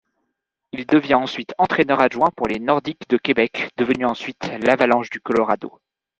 Il devient ensuite entraîneur-adjoint pour les Nordiques de Québec devenus ensuite l'Avalanche du Colorado.